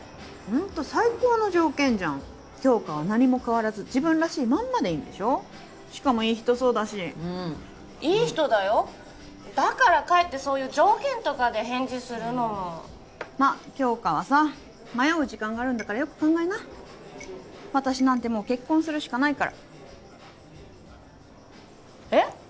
ホント最高の条件じゃん杏花は何も変わらず自分らしいまんまでいいんでしょしかもいい人そうだしうんいい人だよだからかえってそういう条件とかで返事するのもま杏花はさ迷う時間があるんだからよく考えな私なんてもう結婚するしかないからえっ？